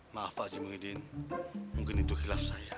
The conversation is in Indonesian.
maaf pak ji menghidin mungkin itu khasnya